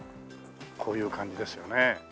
こういう感じですよね。